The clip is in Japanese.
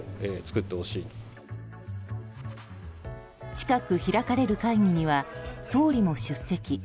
近く開かれる会議には総理も出席。